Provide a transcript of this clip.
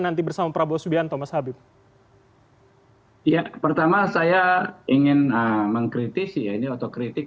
nanti bersama prabowo subianto mas habib ya pertama saya ingin mengkritisi ya ini otokritik